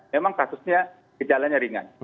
memang kasusnya gejalanya ringan